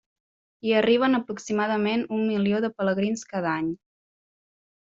Hi arriben aproximadament un milió de pelegrins cada any.